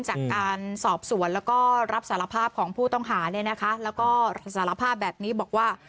จากการสอบสวนแล้วก็รับสารภาพของผู้ต้องหาเนี่ยนะคะแล้วก็สารภาพแบบนี้บอกว่า